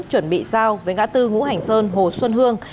chuẩn bị giao với ngã tư ngũ hành sơn hồ xuân hương